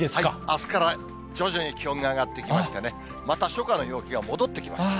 あすから徐々に気温が上がってきましてね、また初夏の陽気が戻ってきます。